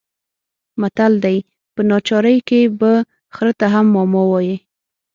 متل دی: په ناچارۍ کې به خره ته هم ماما وايې.